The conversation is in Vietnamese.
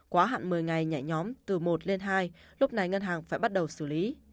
quá hạn một mươi ngày nhảy nhóm từ một lên hai lúc này ngân hàng phải bắt đầu xử lý